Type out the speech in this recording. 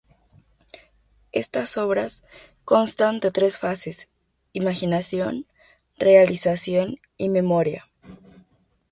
Estas obras constan de tres fases: imaginación, realización y memoria.